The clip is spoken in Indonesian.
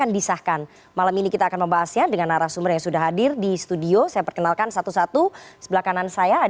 selamat malam riffana yang dari eropa